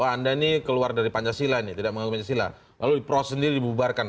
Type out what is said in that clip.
anda ini keluar dari pancasila ini tidak menganggung pancasila lalu diproses sendiri dibubarkan